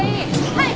はい！